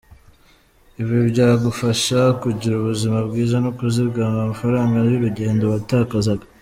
Ibi byagufasha kugira ubuzima bwiza no kuzigama amafaraga y’urugendo watakazaga.